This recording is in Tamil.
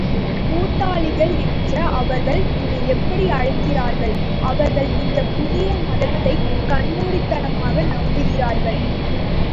கூட்டாளிகள் என்ற அவர்கள் உன்னை எப்படி அழைக்கிறார்கள்? அவர்கள், இந்தப் புதிய மதத்தை கண்மூடித்தனமாக நம்புகிறார்கள்.